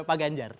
ada pak ganjar